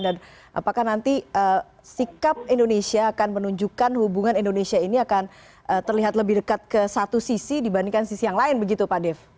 dan apakah nanti sikap indonesia akan menunjukkan hubungan indonesia ini akan terlihat lebih dekat ke satu sisi dibandingkan sisi yang lain begitu pak dev